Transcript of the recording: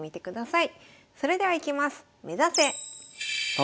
それではいきます。